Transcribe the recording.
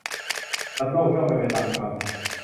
สัตว์โลกย่อมเป็นไปตามกรรม